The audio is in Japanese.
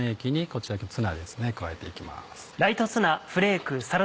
こちら今日ツナですね加えて行きます。